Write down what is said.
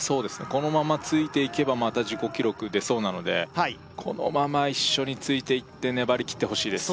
このままついていけばまた自己記録出そうなのではいこのまま一緒についていって粘りきってほしいです